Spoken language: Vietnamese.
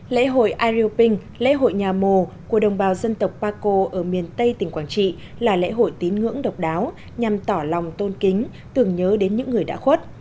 lễ hội ayuping lễ hội nhà mồ của đồng bào dân tộc paco ở miền tây tỉnh quảng trị là lễ hội tín ngưỡng độc đáo nhằm tỏ lòng tôn kính tưởng nhớ đến những người đã khuất